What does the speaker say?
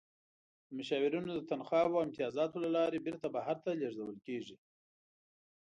د مشاورینو د تنخواوو او امتیازاتو له لارې بیرته بهر ته لیږدول کیږي.